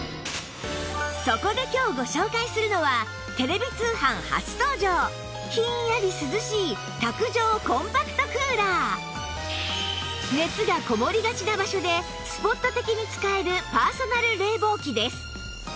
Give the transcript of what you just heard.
そこで今日ご紹介するのは熱がこもりがちな場所でスポット的に使えるパーソナル冷房機です